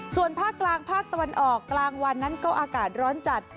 ส่วนภาคกลางภาคตะวันออกกลางวันนั้นก็อากาศร้อนจัด